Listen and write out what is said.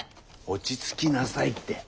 落ち着きなさいって。